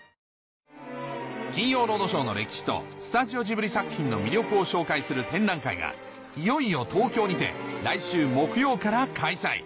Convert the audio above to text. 『金曜ロードショー』の歴史とスタジオジブリ作品の魅力を紹介する展覧会がいよいよ東京にて来週木曜から開催